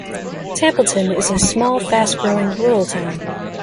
Templeton, is a small, fast growing, rural town.